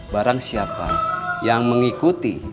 barang siapa yang mengikuti